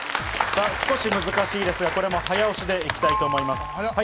少し難しいですが、これも早押しでいきたいと思います。